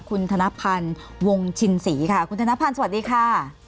คุณธนพันธ์วงชินศรีค่ะคุณธนพันธ์สวัสดีค่ะ